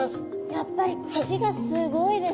やっぱり口がすごいですね。